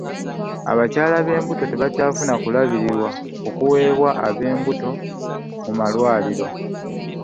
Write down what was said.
Abakyala b'embuto tebakyafuna kulabirirwa okuweebwa ab'embuto mu malwaliro.